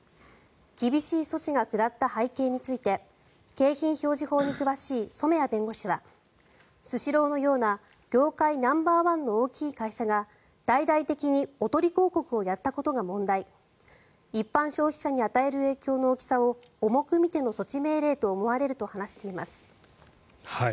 厳しい措置が下った背景について景品表示法に詳しい染谷弁護士はスシローのような業界ナンバーワンの大きい会社が大々的におとり広告をやったことが問題一般消費者に与える影響の大きさを重く見ての措置命令と思われると話しています。